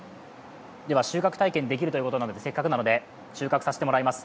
収穫体験できるということなのでせっかくなので、収穫させてもらいます。